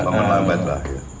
memperlambat lah ya